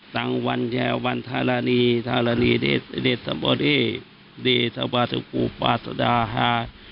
ตั้งวันแหวววันธรรณีธรรณีเดชธรรมดิเดชธรรมาศกุปาสดาฮา